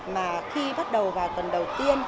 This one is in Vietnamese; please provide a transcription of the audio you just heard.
mà khi bắt đầu vào tuần đầu tiên